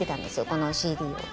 このＣＤを。